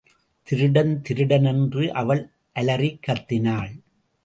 திருடன் திருடன் என்று அவள் அலறிக் கத்தினாள்.